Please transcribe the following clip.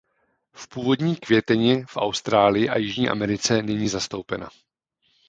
V původní květeně v Austrálii a Jižní Americe není zastoupena.